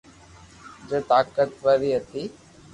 جي طاقتواري ھتي